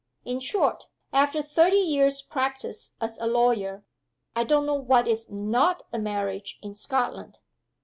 In short, after thirty years' practice as a lawyer, I don't know what is not a marriage in Scotland."